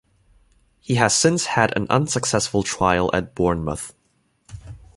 He has since had an unsuccessful trial at Bournemouth.